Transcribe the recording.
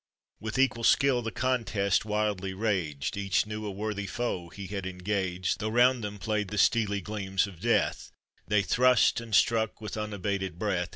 With equal skill the contest wildly raged, Each knew a worthy foe he had engaged, Tho' round them played the steely gleams of death, They thrust and struck with unabated breath.